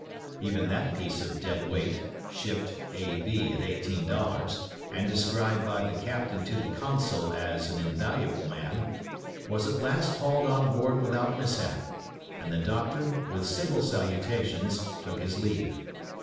Even that piece of dead weight (shipped A.B. at eighteen dollars, and described by the captain to the consul as an invaluable man) was at last hauled on board without mishap; and the doctor, with civil salutations, took his leave.